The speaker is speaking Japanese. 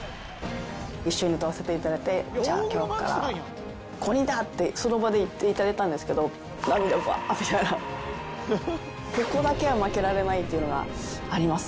一緒に歌わせていただいてってその場で言っていただいたんですけど涙バーッみたいなここだけは負けられないっていうのがあります